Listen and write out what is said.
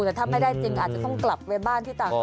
แต่ถ้าไม่ได้จริงอาจจะต้องกลับไปบ้านที่ต่าง